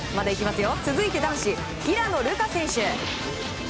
続いて男子、平野流佳選手。